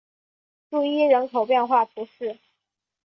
杜伊人口变化图示